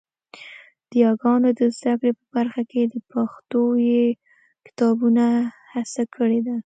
د یاګانو د زده کړې په برخه کې د پښويې کتابونو هڅه کړې ده